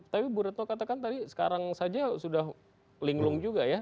tapi bu retno katakan tadi sekarang saja sudah linglung juga ya